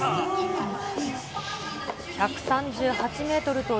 １３８メートル。